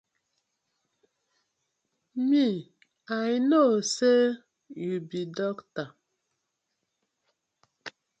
Mi I no say yu bi dokta.